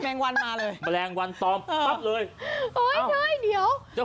แมงวันมาเลยแมลงวันตอมปั๊บเลยโอ้ยใช่เดี๋ยวจะ